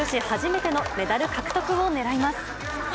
初めてのメダル獲得を狙います。